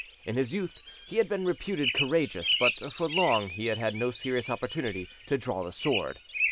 In his youth he had been reputed courageous, but for long he had had no serious opportunity to draw the sword.